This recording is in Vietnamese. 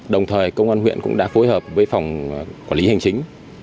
đồng thời công an huyện cũng đã phối hợp với phòng quản lý hành chính